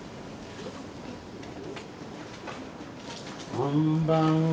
こんばんは。